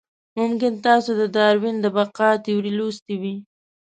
ممکن تاسې د داروېن د بقا تیوري لوستې وي.